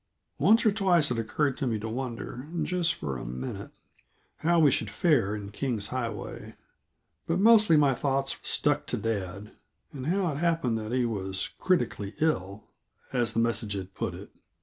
Once or twice it occurred to me to wonder, just for a minute, how we should fare in King's Highway; but mostly my thoughts stuck to dad, and how it happened that he was "critically ill," as the message had put it.